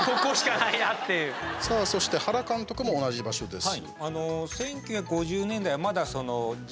そして原監督も同じ場所です。